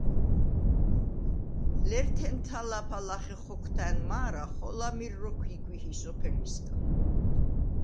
ლერთენ თა̄ლა̄ფა ლახე ხოქვთა̈ნ მა̄რა, ხოლა მირ როქვ იკვიჰი სოფელისგა.